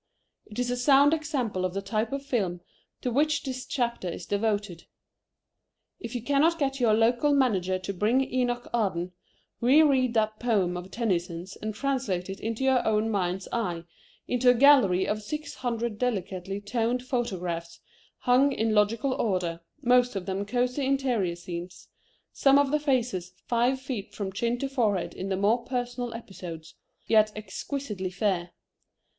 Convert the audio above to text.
It is a sound example of the type of film to which this chapter is devoted. If you cannot get your local manager to bring Enoch Arden, reread that poem of Tennyson's and translate it in your own mind's eye into a gallery of six hundred delicately toned photographs hung in logical order, most of them cosy interior scenes, some of the faces five feet from chin to forehead in the more personal episodes, yet exquisitely fair.